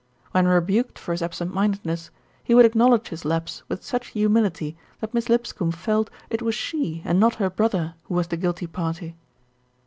When rebuked for his absent mindedness, he would acknowledge his lapse with such humility that Miss Lipscombe felt it was she and not her brother who was the guilty party.